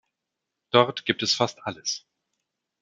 Dort gibt es fast alles.